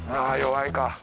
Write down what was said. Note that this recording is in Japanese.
あ弱いか。